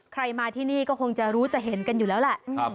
ใครมาที่นี่ก็คงจะรู้จะเห็นกันอยู่แล้วแหละ